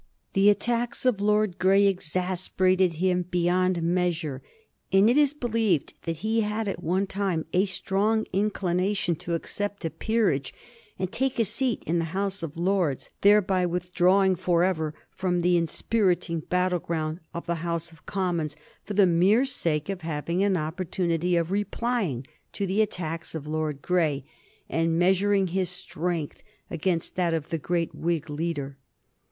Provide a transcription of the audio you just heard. The attacks of Lord Grey exasperated him beyond measure, and it is believed that he had at one time a strong inclination to accept a peerage and take a seat in the House of Lords, thereby withdrawing forever from the inspiriting battle ground of the House of Commons for the mere sake of having an opportunity of replying to the attacks of Lord Grey, and measuring his strength against that of the great Whig leader.